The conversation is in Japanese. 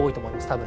多分。